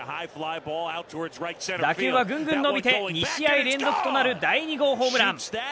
打球はぐんぐん伸びて２試合連続となる第２号ホームラン。